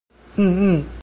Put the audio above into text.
嗯嗯